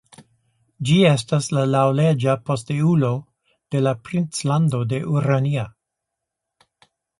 Ĝi estas la laŭleĝa posteulo de la Princlando de Urania.